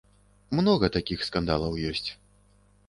Многа такіх скандалаў ёсць.